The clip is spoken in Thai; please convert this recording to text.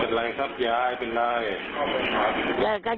เป็นไรครับยายเป็นไร